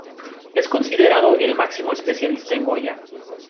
Es considerado el máximo especialista en Goya.